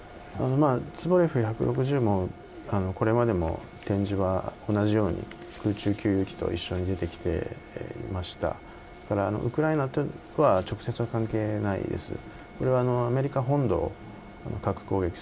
ツポレフ１６０もこれまでも展示は同じように空中給油機と一緒に出てきてそれからウクライナは直接関係ないですね。